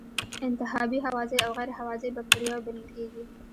انتحابی هوازی او غیر هوازی بکټریاوې بلل کیږي.